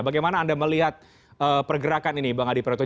bagaimana anda melihat pergerakan ini bang adi praetno